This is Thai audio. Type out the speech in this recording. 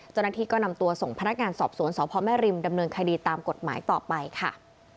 เจ้าหน้าที่ก็นำตัวส่งพนักงานสอบสวนสพแม่ริมดำเนินคดีตามกฎหมายต่อไปค่ะ